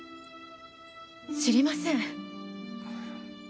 知りません。